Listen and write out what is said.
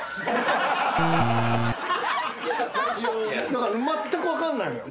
だからまったく分かんないのよ。